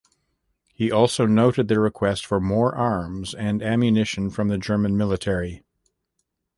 He also noted their request for more arms and ammunition from the German military.